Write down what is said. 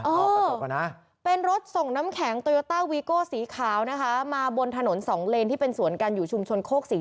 เออเป็นรถส่งน้ำแข็งสีขาวนะคะมาบนถนนสองเลนที่เป็นสวนกันอยู่ชุมชนโคกษี